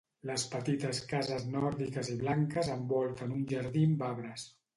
Les petites cases nòrdiques i blanques envolten un jardí amb arbres.